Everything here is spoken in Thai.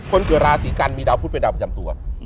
คนเกิดราศีกันมีดาวพุทธเป็นดาวประจำตัว